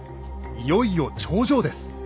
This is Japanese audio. いよいよ頂上です。